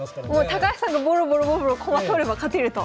高橋さんがボロボロボロボロ駒取れば勝てると。